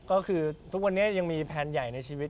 ก็บอกว่าทุกวันนี้อย่างมีแผนใหญ่ในชีวิต